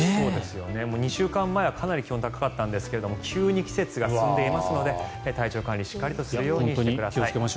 ２週間前はかなり気温高かったんですが急に季節が進んでいますので体調管理しっかりするようにしてください。